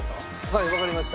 はいわかりました。